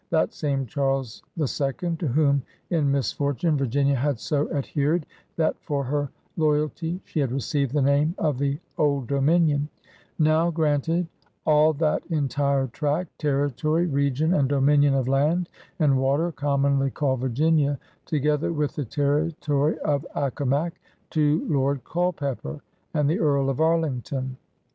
That same Charles 11 — to whom in misfortune Virginia had so adhered that for her loyalty she had received the name of the Old Dominion — now granted " all that entire tract, territory, region, and dominion of land and water commonly called Virginia, together with the territory of Accomack," to Lord Culpeper and the Earl of Arlington.